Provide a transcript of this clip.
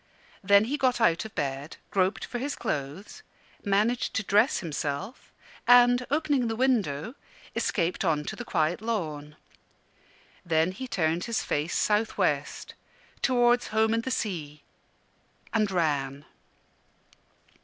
Then he got out of bed, groped for his clothes, managed to dress himself, and, opening the window, escaped on to the quiet lawn. Then he turned his face south west, towards home and the sea and ran.